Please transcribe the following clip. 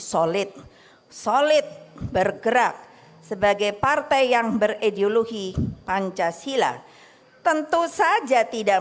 solid solid bergerak sebagai partai yang beredeologi pancasila tentu saja tidak